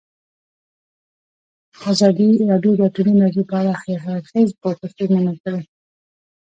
ازادي راډیو د اټومي انرژي په اړه د هر اړخیز پوښښ ژمنه کړې.